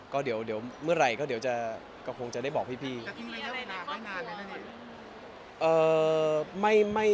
ก็เดี๋ยวเมื่อไหร่ก็เดี๋ยวจะคงจะได้บอกพี่